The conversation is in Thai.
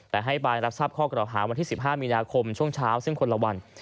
แต่ให้บรรยายรับทราบข้อเกราะหาวันที่สิบห้ามีนาคมช่วงเช้าซึ่งคนละวัน